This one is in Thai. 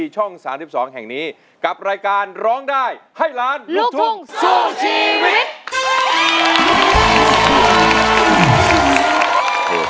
ช่อง๓๒แห่งนี้กับรายการร้องได้ให้ล้านลูกทุ่งสู้ชีวิต